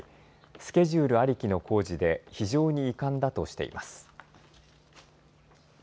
スケジュールありきの工事で非常に遺憾だとしています。